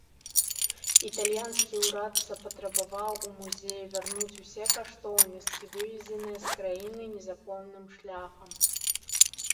Італьянскі ўрад запатрабаваў у музея вярнуць усе каштоўнасці, вывезеныя з краіны незаконным шляхам.